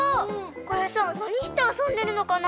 これさなにしてあそんでるのかな？